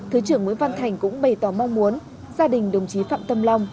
thứ trưởng nguyễn văn thành cũng bày tỏ mong muốn gia đình đồng chí phạm tâm long